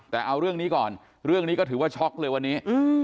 แต่เอาเรื่องนี้ก่อนเรื่องนี้ก็ถือว่าช็อกเลยวันนี้